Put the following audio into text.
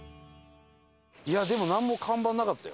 いやでもなんも看板なかったよ。